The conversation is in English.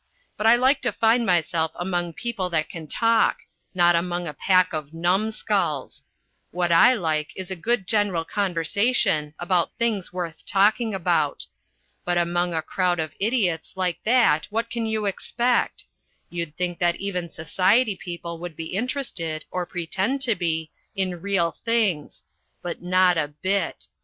But I like to find myself among people that can talk, not among a pack of numbskulls. What I like is good general conversation, about things worth talking about. But among a crowd of idiots like that what can you expect? You'd think that even society people would be interested, or pretend to be, in real things. But not a bit.